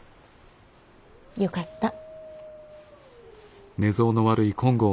よかった。